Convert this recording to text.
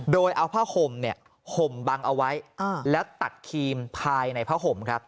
โดยเอาผ้าห่มเนี่ยห่มบังเอาไว้แล้วตัดครีมภายในผ้าห่มครับ